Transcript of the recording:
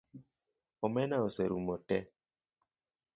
Omena oserumo te